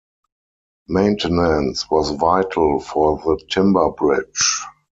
Maintenance was vital for the timber bridge.